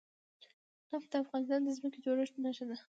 نفت د افغانستان د ځمکې د جوړښت نښه ده.